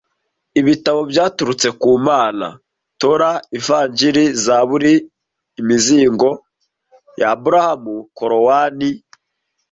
Ibitabo byaturutse ku Mana: Torah, Ivanjiri, Zaburi, Imizingo ya Aburahamu, Korowani